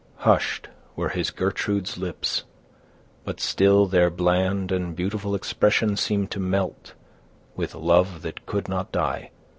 Hushed were his Gertrude's lips; but still their bland And beautiful expression seemed to melt With love that could not die!